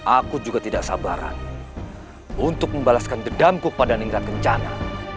aku juga tidak sabaran untuk membalaskan gedamku pada nenggak rencana